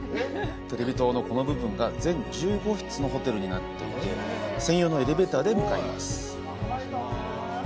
テレビ塔のこの部分が全１５室のホテルになっていて専用のエレベーターで向かいます。